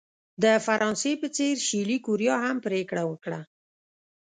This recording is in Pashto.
د فرانسې په څېر شلي کوریا هم پرېکړه وکړه.